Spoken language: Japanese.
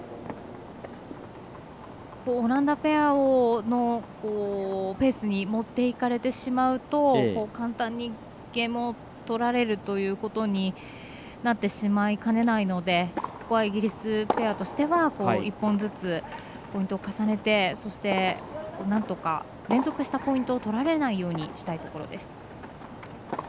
オランダペアのペースに持っていかれてしまうと簡単にゲームを取られるということになってしまいかねないのでここはイギリスペアとしては１本ずつポイントを重ねてそして、なんとか連続したポイントを取られないようにしたいところです。